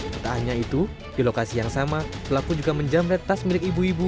tentangnya itu di lokasi yang sama pelaku juga menjambret tas milik ibu ibu